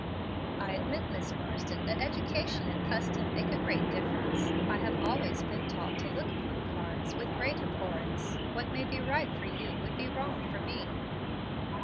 "I admit, Miss Marsden, that education and custom make a great difference. I have always been taught to look upon cards with great abhorrence. What may be right for you would be wrong for me."